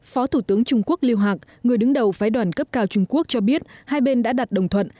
phó thủ tướng trung quốc liêu hạc người đứng đầu phái đoàn cấp cao trung quốc cho biết hai bên đã đặt đồng thuận